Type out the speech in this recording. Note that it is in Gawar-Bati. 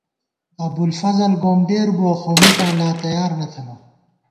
ابُوالفضل گومڈېر بُوَہ ، خو مِکاں لا تیار نہ تھنہ